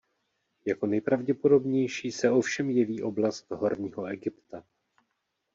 Jako nejpravděpodobnější se ovšem jeví oblast Horního Egypta.